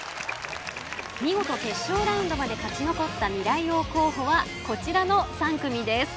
見事決勝ラウンドまで勝ち残った未来王候補はこちらの３組です。